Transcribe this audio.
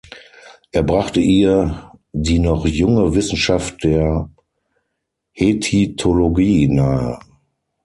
Er brachte ihr die noch junge Wissenschaft der Hethitologie nahe.